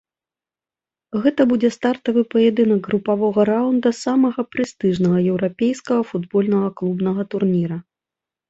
Гэта будзе стартавы паядынак групавога раўнда самага прэстыжнага еўрапейскага футбольнага клубнага турніра.